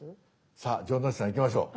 さあ城之内さんいきましょう。